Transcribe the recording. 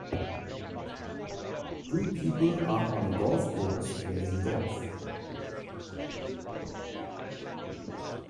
Two people are on a golf course playing golf.